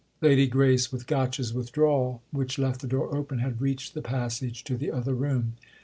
Lady Grace, with Gotch's withdrawal, which left the door open, had reached the passage to the other room.